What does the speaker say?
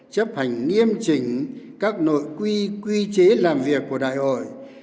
chấp hành nghiêm chỉnh các nội quy quy chế làm việc của đại hội